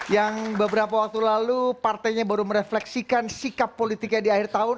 yang beberapa waktu lalu partainya baru merefleksikan sikap politiknya di akhir tahun